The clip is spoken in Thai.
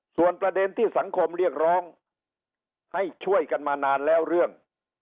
ส่วนประเด็นที่สังคมเรียกร้องให้ช่วยกันมานานแล้วเรื่อง